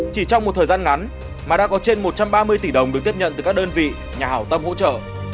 chỉ trong một thời gian ngắn mà đã có trên một trăm ba mươi tỷ đồng được tiếp nhận từ các đơn vị nhà hảo tâm hỗ trợ